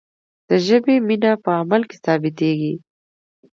د ژبې مینه په عمل کې ثابتیږي.